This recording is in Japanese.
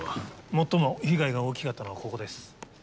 最も被害が大きかったのはここです。